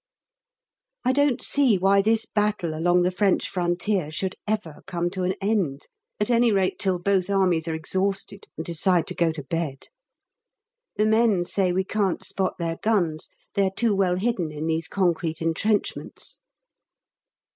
I don't see why this battle along the French frontier should ever come to an end, at any rate till both armies are exhausted, and decide to go to bed. The men say we can't spot their guns they are too well hidden in these concrete entrenchments.